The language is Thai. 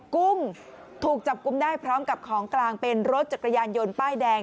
กุ้งถูกจับกุมได้พร้อมกับของกลางเป็นรถจักรยานยนต์ป้ายแดง